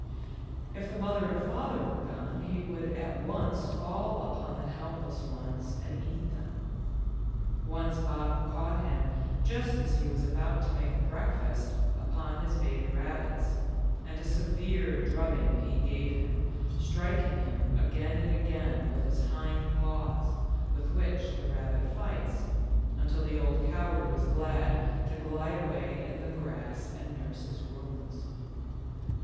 If the mother and father were gone, he would at once fall upon the helpless ones and eat them. Once Bob caught him just as he was about to make a breakfast upon his baby rab bits ; and a severe drubbing he £ave him, strik ing him again and again with his hind paws — with which the rabbit fights — until the old coward was glad to glide away in the grass and nurse his wounds. 82 THE LITTLE FORESTERS.